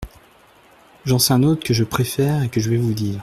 J'en sais un autre que je préfère et que je vais vous dire.